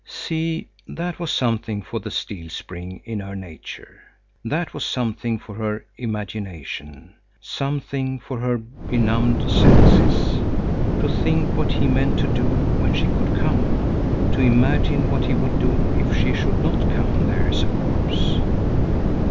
See, that was something for the steel spring in her nature. That was something for her imagination, something for her benumbed senses. To think what he meant to do when she should come! To imagine what he would do if she should not come there as a corpse!